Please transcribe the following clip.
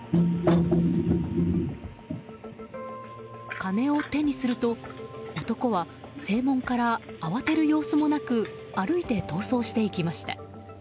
金を手にすると男は正門から、慌てる様子もなく歩いて逃走していきました。